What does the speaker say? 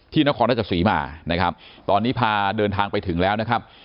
ที่นครรัฐศรีมาตอนนี้พาเดินทางไปถึงแล้ว